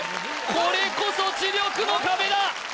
これこそ知力の壁だ